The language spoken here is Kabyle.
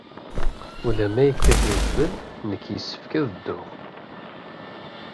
Ula ma yekkat wedfel, nekk yessefk ad dduɣ.